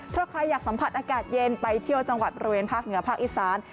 ถ้าใครอยากสัมผัสอากาศเย็นไปเที่ยวจังหวัดบริเวณภาคเหนือภาคอีสาน